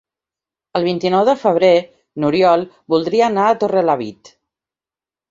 El vint-i-nou de febrer n'Oriol voldria anar a Torrelavit.